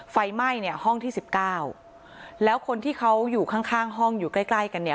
ไฟไหม้เนี่ยห้องที่๑๙แล้วคนที่เขาอยู่ข้างห้องอยู่ใกล้กันเนี้ย